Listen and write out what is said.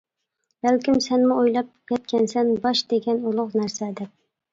بەلكىم سەنمۇ ئويلاپ يەتكەنسەن، باش دېگەن ئۇلۇغ نەرسە دەپ.